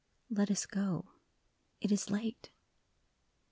Let us go. It is late